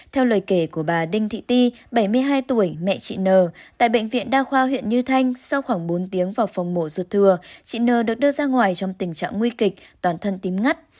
theo lời kể của bà đinh thị ti bảy mươi hai tuổi mẹ chị n tại bệnh viện đa khoa huyện như thanh sau khoảng bốn tiếng vào phòng mổ ruột thừa chị nờ được đưa ra ngoài trong tình trạng nguy kịch toàn thân tím ngắt